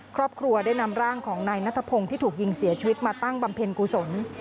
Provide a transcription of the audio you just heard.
ครอบครัวได้นำร่างของนายนัทพงศ์ที่ถูกยิงเสียชีวิตมาตั้งบำเพ็ญกุศล